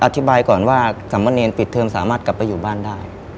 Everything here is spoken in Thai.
อธิบายก่อนว่าสามเณรปิดเทอมสามารถกลับไปอยู่บ้านได้